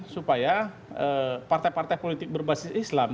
supaya partai partai politik berbasis islam